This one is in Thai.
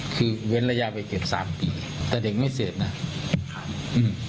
คือเว้นระยะไปเก็บสามปีแต่เด็กไม่เสพนะครับอืม